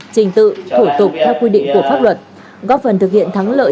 trình tự thủ tục theo quy định của pháp luật góp phần thực hiện thắng lợi